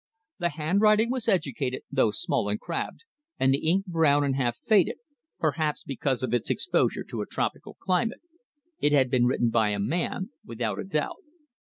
The handwriting was educated, though small and crabbed, and the ink brown and half faded, perhaps because of its exposure to a tropical climate. It had been written by a man, without a doubt.